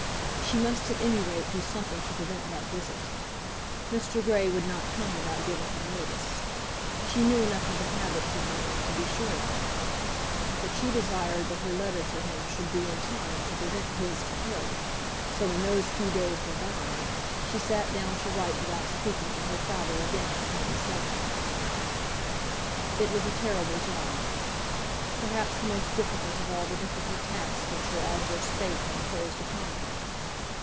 She must at any rate do something to prevent that visit. Mr. Grey would not come without giving her notice. She knew enough of the habits of the man to be sure of that. But she desired that her letter to him should be in time to prevent his to her; so when those few days were gone, she sat down to write without speaking to her father again upon the subject. It was a terrible job; perhaps the most difficult of all the difficult tasks which her adverse fate had imposed upon her.